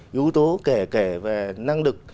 yếu tố kể kể về năng lực